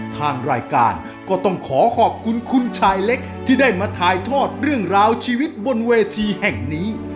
ทางรายการก็ต้องขอขอบคุณคุณชายเล็กที่ได้มาถ่ายทอดเรื่องราวชีวิตบนเวทีแห่งนี้